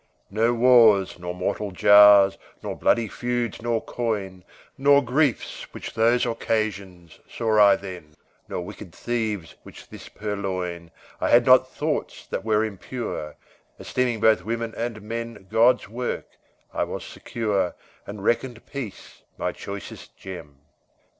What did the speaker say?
No wars, Nor mortal jars, Nor bloody feuds, nor coin, Nor griefs which those occasions, saw I then; Nor wicked thieves which this purloin; I had not thoughts that were impure; Esteeming both women and men God's work, I was secure, And reckoned peace my choicest gem.